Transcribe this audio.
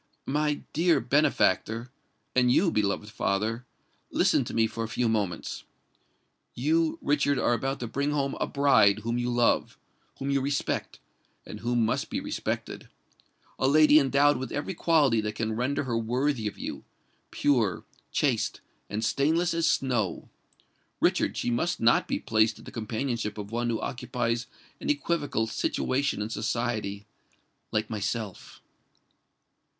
"My dear benefactor—and you, beloved father—listen to me for a few moments. You, Richard, are about to bring home a bride whom you love—whom you respect—and who must be respected,—a lady endowed with every quality that can render her worthy of you,—pure, chaste, and stainless as snow. Richard, she must not be placed in the companionship of one who occupies an equivocal situation in society—like myself!"